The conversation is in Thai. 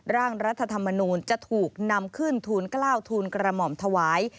ร่างรัฐธรรมนูลจะถูกนำขึ้นทูลกล้าวทูลกระหม่อมถวาย